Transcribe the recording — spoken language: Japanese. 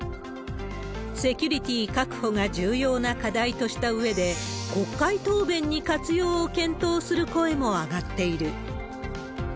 セキュリティー確保が重要な課題としたうえで、国会答弁に活用を検討する声も上がっている。